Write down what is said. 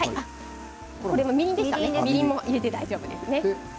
みりんも入れて大丈夫ですね。